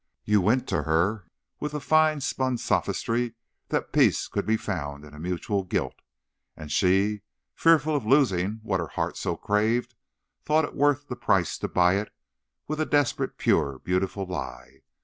You went to her with the fine spun sophistry that peace could be found in a mutual guilt; and she, fearful of losing what her heart so craved, thought it worth the price to buy it with a desperate, pure, beautiful lie.